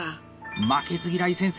「負けず嫌い先生」